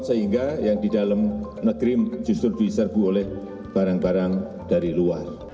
sehingga yang di dalam negeri justru diserbu oleh barang barang dari luar